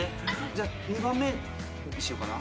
じゃあ２番目にしようかな。